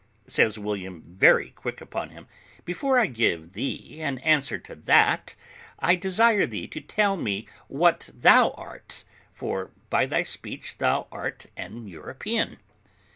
Says William, very quick upon him, "Before I give thee an answer to that, I desire thee to tell me what thou art, for by thy speech thou art an European."